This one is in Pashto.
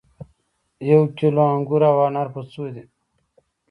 یو کیلو انګور او انار په څو دي